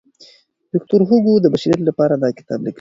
ویکټور هوګو د بشریت لپاره دا کتاب لیکلی دی.